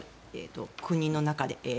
国の中で。